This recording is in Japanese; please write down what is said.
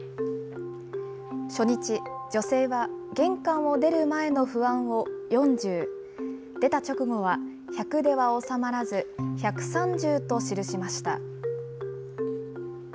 初日、女性は玄関を出る前の不安を４０、出た直後は１００では収まらず、１３０と記しました。